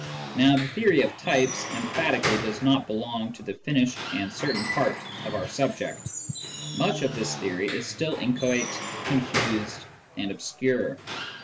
Now the theory of types emphatically does not belong to the finished and certain part of our subject : much of this theory is still inchoate, confused, and obscure.